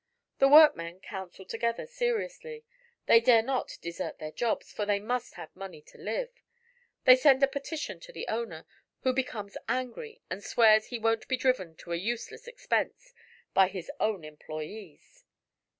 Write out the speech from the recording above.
The workmen counsel together seriously. They dare not desert their jobs, for they must have money to live. They send a petition to the owner, who becomes angry and swears he won't be driven to a useless expense by his own employees.